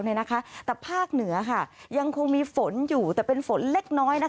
แต่ภาคเหนือยังคงมีฝนอยู่แต่เป็นฝนเล็กน้อย